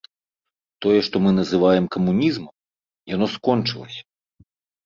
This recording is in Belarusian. Тое, што мы называем камунізмам, яно скончылася.